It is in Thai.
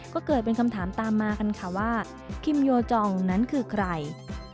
ก็เกิดเป็นคำถามตามมากันค่ะว่าคิมโยจองนั้นคือใคร